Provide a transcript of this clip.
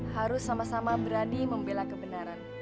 harus sama sama berani membela kebenaran